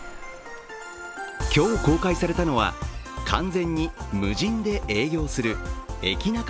今日公開されたのは完全に無人で営業する駅ナカ